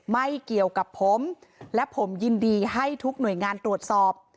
ไม่เกี่ยวกับผมและผมยินดีให้ทุกหน่วยงานตรวจสอบ